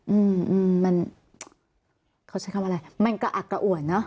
อืมมันเขาใช้คำอะไรมันกระอักกระอ่วนเนอะ